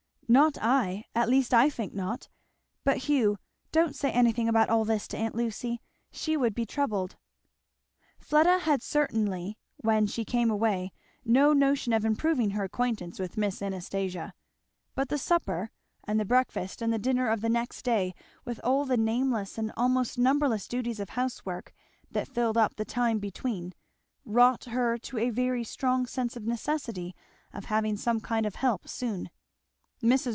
"Not I! at least I think not. But, Hugh, don't say anything about all this to aunt Lucy. She would be troubled." Fleda had certainly when she came away no notion of improving her acquaintance with Miss Anastasia; but the supper, and the breakfast and the dinner of the next day, with all the nameless and almost numberless duties of housework that filled up the time between, wrought her to a very strong sense of the necessity of having some kind of "help" soon. Mrs.